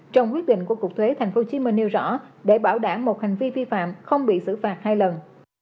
trong quyết định của cục thuế tp hcm nêu rõ để bảo đảm một hành vi vi phạm không bị xử phạt hai lần